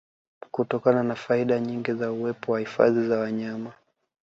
Kutokana na faida nyingi za uwepo wa Hifadhi za wanyama